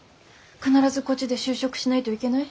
必ずこっちで就職しないといけない？